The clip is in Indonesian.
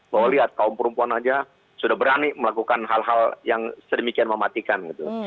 bahwa lihat kaum perempuan saja sudah berani melakukan hal hal yang sedemikian mematikan gitu